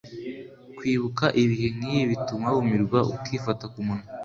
Kwibuka ibihe nk’ibi bituma wumirwa ukifata ku munwa